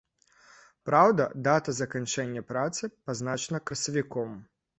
Праўда, дата заканчэння працы пазначана красавіком.